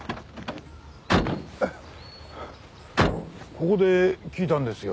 ここで聞いたんですよ。